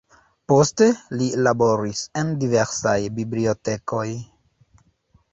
Poste li laboris en diversaj bibliotekoj.